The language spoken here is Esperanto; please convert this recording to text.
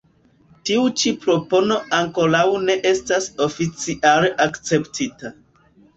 Tiu ĉi propono ankoraŭ ne estas oficiale akceptita.